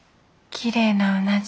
きれいなうなじ。